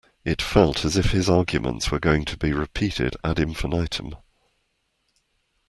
It felt as if his arguments were going to be repeated ad infinitum